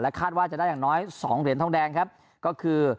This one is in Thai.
คาดว่าจะได้อย่างน้อยสองเหรียญทองแดงครับก็คือ